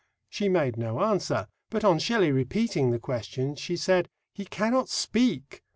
She made no answer, but on Shelley repeating the question she said, "He cannot speak."